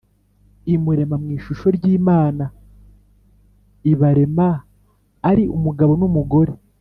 imurema mu ishusho ry’imana ; ibaremaari umugabo n’umugore